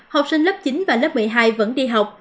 học sinh lớp chín và lớp một mươi hai vẫn đi học